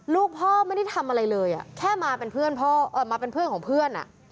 ลูกพ่อไม่ได้ทำอะไรเลยแค่มาเป็นเพื่อนของเพื่อน